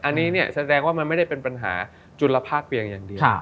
อันนี้เนี่ยแสดงว่ามันไม่ได้เป็นปัญหาจุลภาคเพียงอย่างเดียว